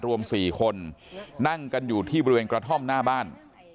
รวม๔คนนั่งกันอยู่ที่บริเวณกระท่อมหน้าบ้าน